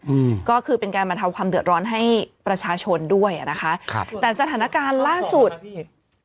อืมก็คือเป็นการบรรเทาความเดือดร้อนให้ประชาชนด้วยอ่ะนะคะครับแต่สถานการณ์ล่าสุดนี่